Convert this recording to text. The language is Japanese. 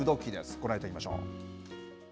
ご覧いただきましょう。